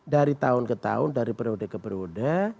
dari tahun ke tahun dari periode ke periode